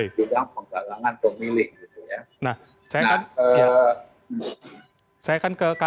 di bidang penggalangan pemilih